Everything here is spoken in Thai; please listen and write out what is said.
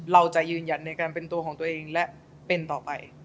เราจะยืนยันในการเป็นตัวของตัวเองและเป็นต่อไป